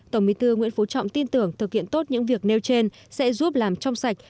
tổng bí thư nguyễn phú trọng tin tưởng thực hiện tốt những việc nêu trên sẽ giúp làm trong sạch